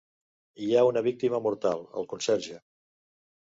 Hi ha una víctima mortal, el conserge.